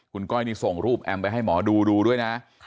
คุณก้อยนี่ส่งรูปแอมไปให้หมอดูดูด้วยนะ